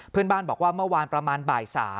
เพื่อนบ้านบอกว่าเมื่อวานประมาณบ่าย๓